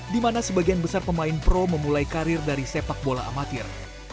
di mana sebagian besar pemain pro memulai karir dari sepak bola amatir